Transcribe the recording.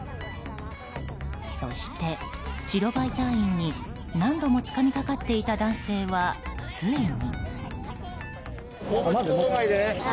そして白バイ隊員に何度もつかみかかっていた男性はついに。